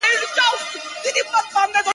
پيغور دي جوړ سي ستا تصویر پر مخ گنډمه ځمه.